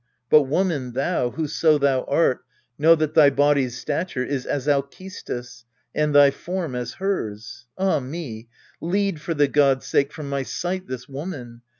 But, woman, thou, Whoso thou art, know that thy body's stature Is as Alcestis, and thy form as hers. Ah me ! lead, for the gods' sake, from my sight This woman